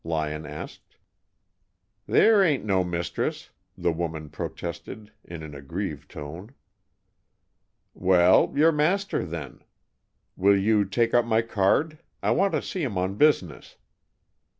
Lyon asked. "There ain't no mistress," the woman protested, in an aggrieved tone. "Well, your master, then. Will you take up my card? I want to see him on business."